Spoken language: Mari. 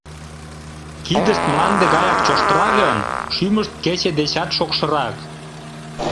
Кидышт мланде гаяк чоштыра гын, шӱмышт кече дечат шокшырак.